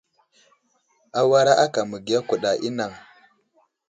Awara aka məgiya kuɗa i anaŋ.